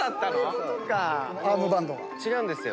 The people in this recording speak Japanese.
違うんですよ。